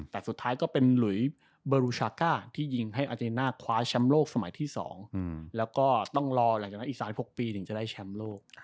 แต่สุดท้ายก็เป็นหลุยเบอร์รูซาก้าที่ยิงให้อาเจน่าคว้าแชมป์โลกสมัยที่๒แล้วก็ต้องรอหลังจากนั้นอีก๓๖ปีถึงจะได้แชมป์โลก